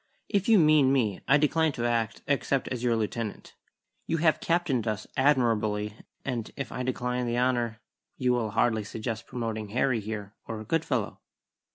"If you mean me, I decline to act except as your lieutenant. You have captained us admirably; and if I decline the honour, you will hardly suggest promoting Harry, here, or Goodfellow!"